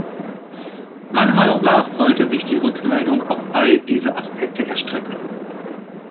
Meiner Meinung nach sollte sich die Rückmeldung auf all diese Aspekte erstrecken.